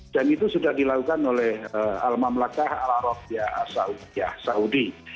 dan itu sudah dilakukan oleh al malakah al rabia saudi